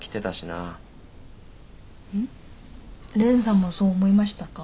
蓮さんもそう思いましたか？